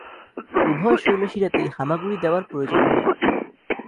উভয় শৈলশিরাতেই হামাগুড়ি দেওয়ার প্রয়োজন হয়।